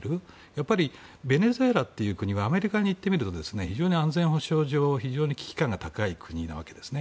やはりベネズエラという国はアメリカに行ってみると非常に安全保障上、非常に危機感が高い国なわけですね。